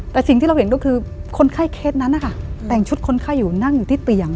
แต่สิ่งที่เราเห็นก็คือ